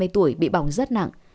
ba mươi tuổi bị bỏng rất nặng